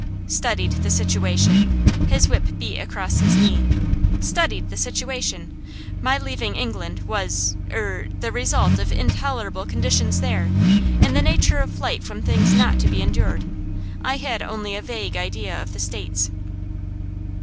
"'Studied the situation'!" His whip beat across his knee. "'Studied the situation'! My leaving England was er the result of intolerable conditions there in the nature of flight from things not to be endured. I had only a vague idea of the States."